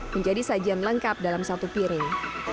menjadi sajian lengkap dalam satu piring